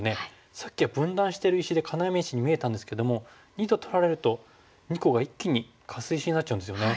さっきは分断してる石で要石に見えたんですけども②と取られると２個が一気にカス石になっちゃうんですよね。